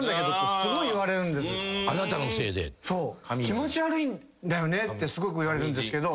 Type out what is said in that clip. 「気持ち悪いんだよね」ってすごく言われるんですけど。